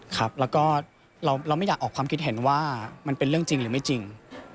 ครับแล้วก็เราไม่อยากออกความคิดเห็นว่ามันเป็นเรื่องจริงหรือไม่จริง